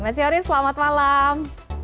mas yori selamat malam